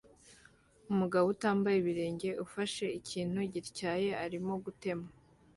Umugabo utambaye ibirenge ufashe ikintu gityaye arimo gutema